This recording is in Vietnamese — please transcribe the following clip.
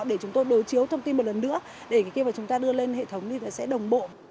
để chúng tôi đối chiếu thông tin một lần nữa để cái kia mà chúng ta đưa lên hệ thống thì sẽ đồng bộ